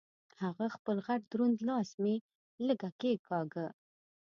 هغه خپل غټ دروند لاس مې لږه کېګاږه.